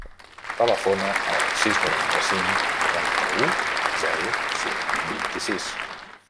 Telefona al sis, noranta-cinc, noranta-u, zero, cinc, vint-i-sis.